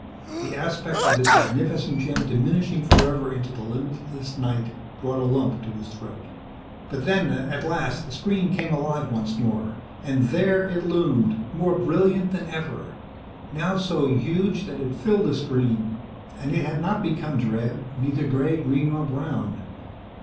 The aspect of this magnificent gem diminishing forever into the limitless night brought a lump to his throat. But then, at last, the screen came alive once more, and there it loomed, more brilliant than ever, now so huge that it filled the screen, and it had not become drab, neither gray green or brown.